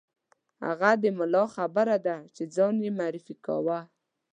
هغه د ملا خبره ده چې ځان یې معرفي کاوه.